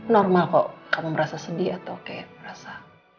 normal kok kamu merasa sedih atau kayak merasa